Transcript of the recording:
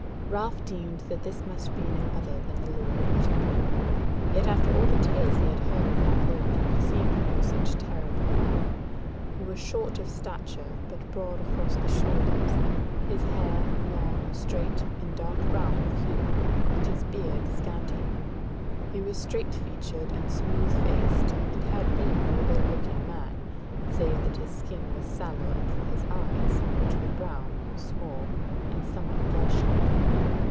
Ralph deemed that this must be no other than the Lord of Utterbol, yet after all the tales he had heard of that lord, he seemed no such terrible man: he was short of stature, but broad across the shoulders, his hair long, strait, and dark brown of hue, and his beard scanty: he was straight featured and smooth faced, and had been no ill looking man, save that his skin was sallow and for his eyes, which were brown, small, and somewhat bloodshot.